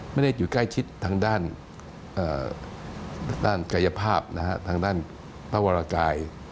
ไม่ได้อยู่ใกล้ชิดทางด้านกายภาพทางด้านพระวรกาย